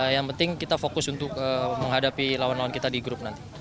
yang penting kita fokus untuk menghadapi lawan lawan kita di grup nanti